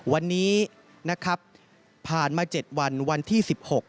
วันนี้นะครับผ่านมา๗วันวันที่๑๖